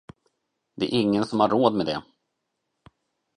Det är ingen som har råd med det?